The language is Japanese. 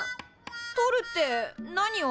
とるって何を？